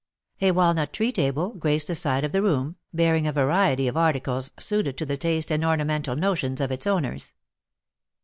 A walnut tree table graced the side of the room, bearing a variety of articles suited to the taste and ornamental notions of its owners.